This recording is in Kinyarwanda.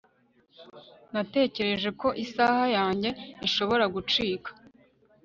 Natekereje ko isaha yanjye ishobora gucika